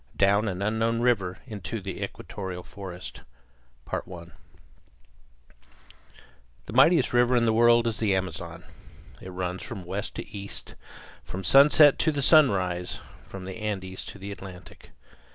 DOWN AN UNKNOWN RIVER INTO THE EQUATORIAL FOREST The mightiest river in the world is the Amazon. It runs from west to east, from the sunset to the sunrise, from the Andes to the Atlantic.